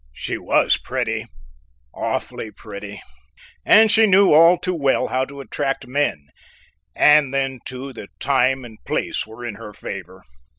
She was pretty awfully pretty and she knew all too well how to attract men, and then, too, the time and place were in her favor.